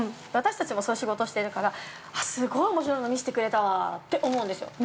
私たちもその仕事してるからあっ、すごいおもしろいの見せてくれたわって思うんですよ。